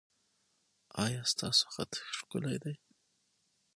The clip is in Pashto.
ایا ستاسو خط ښکلی دی؟